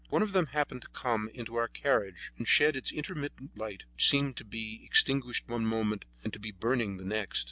One of them happened to come into our carriage, and shed its intermittent light, which seemed to be extinguished one moment and to be burning the next.